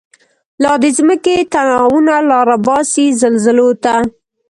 لا دځمکی تناوونه، لاره باسی زلزلوته